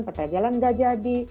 peta jalan tidak jadi